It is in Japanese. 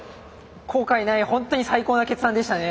後悔ない本当に最高の決断でしたね。